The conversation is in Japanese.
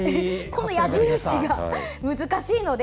この矢印が難しいので。